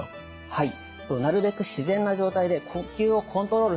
はい。